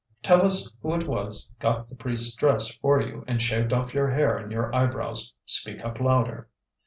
Tell us who it was got the priest's dress for you, and shaved off your hair and your eyebrows. Speak up louder."